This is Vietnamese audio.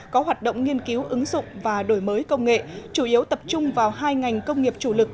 có hoạt động nghiên cứu ứng dụng và đổi mới công nghệ chủ yếu tập trung vào hai ngành công nghiệp chủ lực